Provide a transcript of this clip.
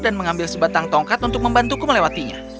dan mengambil sebatang tongkat untuk membantuku melewatinya